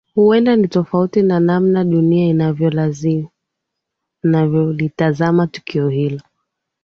huenda ni tofauti na namna dunia inavyolitazama tukio hilo